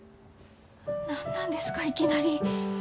何なんですかいきなり。